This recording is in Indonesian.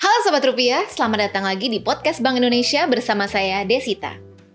halo selamat rupiah selamat datang lagi di podcast bank indonesia bersama saya desita